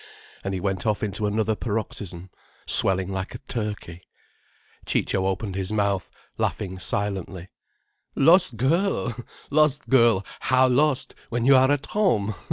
And he went off into another paroxysm, swelling like a turkey. Ciccio opened his mouth, laughing silently. "Lost girl! Lost girl! How lost, when you are at home?"